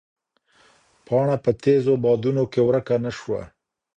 پاڼه په تېزو بادونو کې ورکه نه شوه.